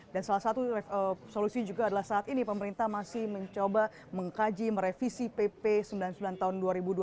dan salah satu solusi juga adalah saat ini pemerintah masih mencoba mengkaji merevisi pp sembilan puluh sembilan tahun dua ribu dua belas